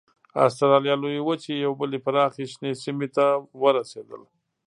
اسټرالیا لویې وچې یوې بلې پراخې شنې سیمې ته ورسېدل.